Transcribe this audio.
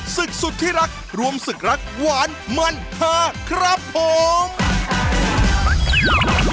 ศึกสุดที่รักรวมศึกรักหวานมันพาครับผม